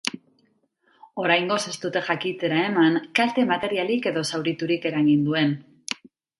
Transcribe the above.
Oraingoz ez dute jakitera eman kalte materialik edo zauriturik eragin duen.